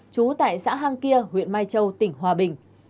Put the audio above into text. trú tại xã hang kia huyện mai châu tỉnh hòa bình